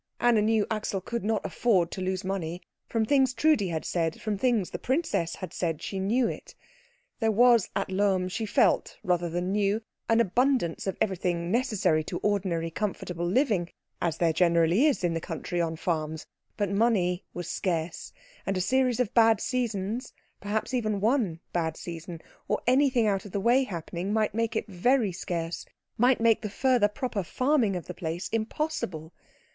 Anna knew Axel could not afford to lose money. From things Trudi had said, from things the princess had said, she knew it. There was at Lohm, she felt rather than knew, an abundance of everything necessary to ordinary comfortable living, as there generally is in the country on farms; but money was scarce, and a series of bad seasons, perhaps even one bad season, or anything out of the way happening, might make it very scarce, might make the further proper farming of the place impossible.